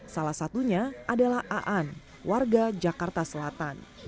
salah satunya adalah aan warga jakarta selatan